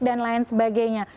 dan lain sebagainya